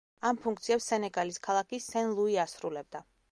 ამ ფუნქციებს სენეგალის ქალაქი სენ-ლუი ასრულებდა.